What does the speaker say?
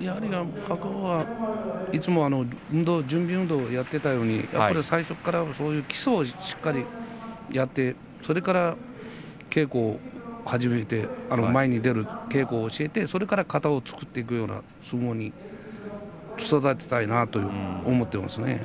やはり白鵬はいつも準備運動をやっていたように最初からそういう基礎をしっかりやってそれから稽古を始めて前に出る稽古を始めてそれから型を作っていくような相撲に育てたいなと思っていますね。